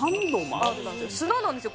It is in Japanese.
砂なんですよ